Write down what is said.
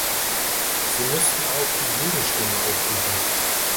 Sie müssten auch die Gegenstimmen aufrufen.